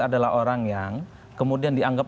adalah orang yang kemudian dianggap